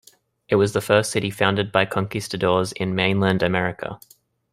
It was the first city founded by conquistadors in mainland America.